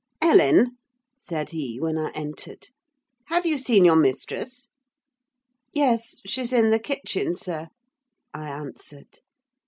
"Ellen," said he, when I entered, "have you seen your mistress?" "Yes; she's in the kitchen, sir," I answered.